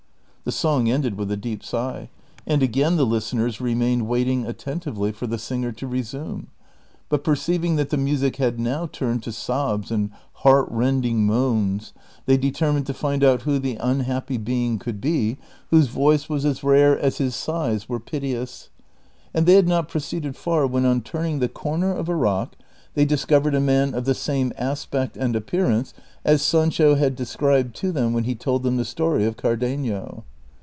The song ended with a deep sigh, and again the listeners remained waiting attentively for the singer to resume ; but per ceiving that the music had now turned to sobs and heart rend ing moans they determined to find out who the unhappy being could be whose voice was as rare as his sighs were piteous, and they had not proceeded far when on turning the corner of a rock they discovered a man of the same aspect and appearance as Sanclio had described to them when he told them the story of Cardenio.